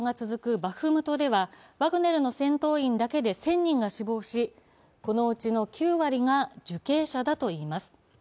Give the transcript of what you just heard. バフムトではワグネルの戦闘員だけで１０００人が死亡し、このうちの９割が受刑者だといいます。